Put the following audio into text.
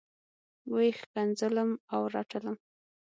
وه یې ښکنځلم او رټلم.